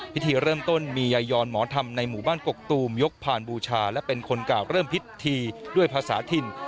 พิธีเริ่มต้นมียายอนหมอธรรมในหมู่บ้านกกตูมยกผ่านบูชาและเป็นคนกล่าวเริ่มพิธีด้วยภาษาถิ่น